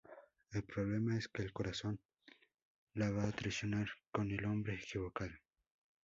El problema es que el corazón la va a traicionar con el hombre equivocado.